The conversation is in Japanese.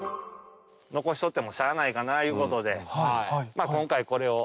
残しとってもしゃあないかないうことで今回これを。